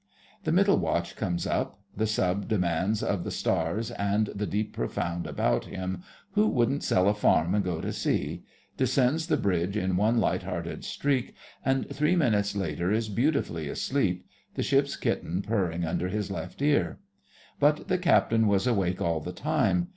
The middle watch comes up; the Sub demands of the stars and the deep profound about him: 'Who wouldn't sell a farm and go to sea?' descends the bridge in one light hearted streak, and three minutes later is beautifully asleep, the ship's kitten purring under his left ear. But the Captain was awake all the time.